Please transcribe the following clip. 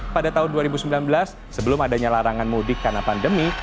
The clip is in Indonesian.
pada tahun dua ribu sembilan belas sebelum adanya larangan mudik karena pandemi